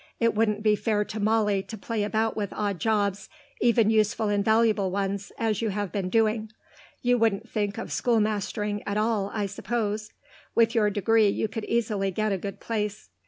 It wouldn't be fair to Molly to play about with odd jobs, even useful and valuable ones, as you have been doing. You wouldn't think of schoolmastering at all, I suppose? With your degree you could easily get a good place."